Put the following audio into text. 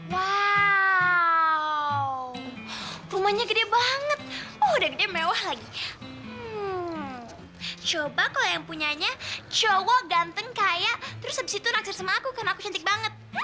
wow rumahnya gede banget oh udah gede mewah lagi coba kalau yang punyanya showwal ganteng kayak terus habis itu naksir sama aku karena aku cantik banget